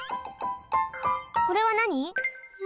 これはなに？